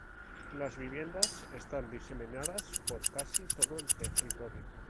Las viviendas están diseminadas por casi todo el territorio.